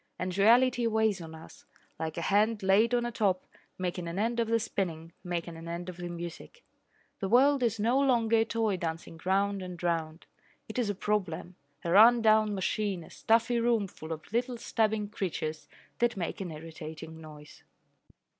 And reality weighs on us, like a hand laid on a top, making an end of the spinning, making an end of the music. The world is no longer a toy dancing round and round. It is a problem, a run down machine, a stuffy room full of little stabbing creatures that make an irritating noise.